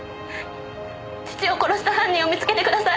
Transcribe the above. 父を殺した犯人を見つけてください！